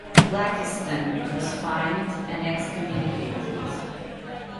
Blakiston was fined and excommunicated.